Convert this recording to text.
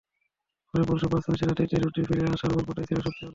তবে পরশু পাঁচ ম্যাচের রাতটিতে রুনির ফিরে আসার গল্পটাই ছিল সবচেয়ে আলোচিত।